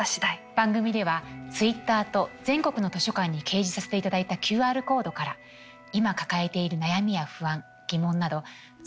番組ではＴｗｉｔｔｅｒと全国の図書館に掲示させていただいたＱＲコードから今抱えている悩みや不安疑問などさまざまな声を寄せていただいています。